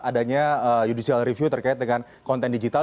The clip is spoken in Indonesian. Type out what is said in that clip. adanya judicial review terkait dengan konten digital